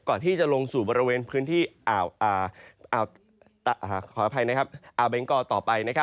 ก่อนที่จะลงสู่บริเวณพื้นที่ขออภัยอาเบงกอร์ต่อไป